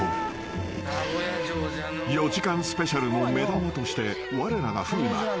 ［４時間スペシャルの目玉としてわれらが風磨向井